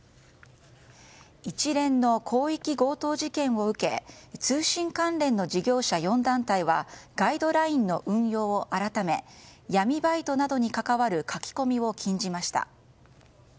一連の広域強盗事件を受け通信関連の事業者４団体はガイドラインの運用を改め闇バイトなどに関わる書き込みを禁じました。